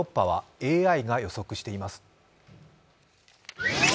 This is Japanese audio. ＡＩが予測しています。